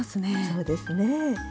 そうですね。